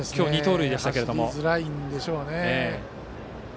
走りづらいんでしょうね。